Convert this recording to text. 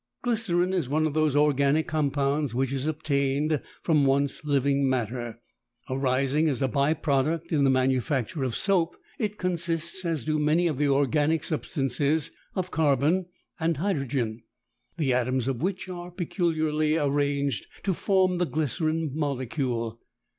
Glycerine is one of those organic compounds which is obtained from once living matter. Arising as a by product in the manufacture of soap, it consists, as do so many of the organic substances, of carbon and hydrogen, the atoms of which are peculiarly arranged to form the glycerine molecule.